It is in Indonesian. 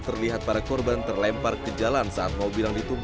terlihat para korban terlempar ke jalan saat mobil yang ditumpang